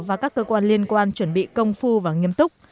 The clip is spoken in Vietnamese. và các cơ quan liên quan chuẩn bị công phu và nghiêm túc